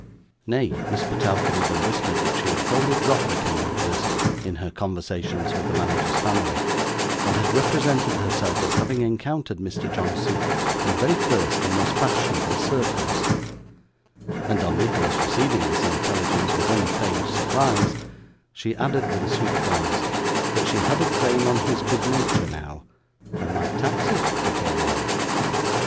Nay, Miss Petowker even whispered that she had wholly dropped the Kenwigses in her conversations with the manager's family, and had represented herself as having encountered Mr. Johnson in the very first and most fashionable circles; and on Nicholas receiving this intelligence with unfeigned surprise, she added, with a sweet glance, that she had a claim on his good nature now, and might tax it before long.